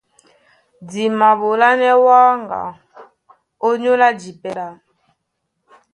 Di maɓolánɛ́ wáŋga ónyólá jipɛ lá ɗá.